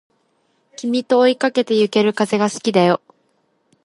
君と追いかけてゆける風が好きだよ